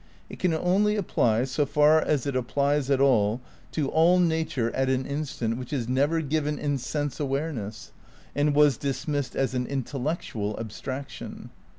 It can only apply, so far as it applies at all, to all nature at an instant which is never given in sense awareness, and was dismissed as an intellectual abstraction.